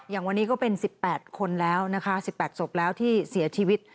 อย่างวันนี้ก็เป็น๑๘คนแล้วนะคะ๑๘ศพแล้วที่เสียชีวิต